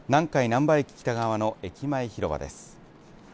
なんば駅北側の駅前広場です。